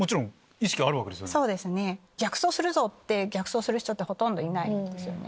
逆走するぞ！って逆走する人ってほとんどいないですよね。